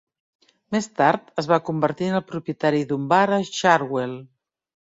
Més tard es va convertir en el propietari d'un bar a Churwell.